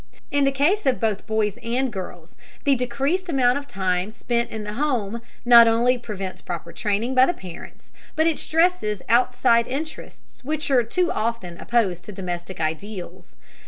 In the case of both boys and girls, the decreased amount of time spent in the home not only prevents proper training by the parents, but it stresses outside interests which are too often opposed to domestic ideals.